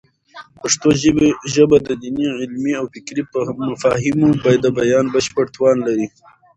پښتو ژبه د دیني، علمي او فکري مفاهیمو د بیان بشپړ توان لري.